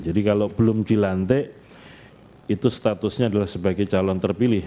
jadi kalau belum dilantik itu statusnya adalah sebagai calon terpilih